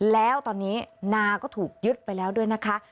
แล้วตอนนี้นาก็ถูกยึดไปแล้วด้วยนะคะ